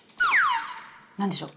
何でしょう？